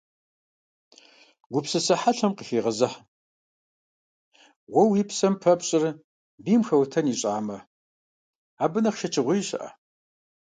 Гупсысэ хьэлъэм къыхегъэзыхь: уэ уи псэм пэпщӀыр бийм хэутэн ищӀамэ, абы нэхъ шэчыгъуей щыӀэ?!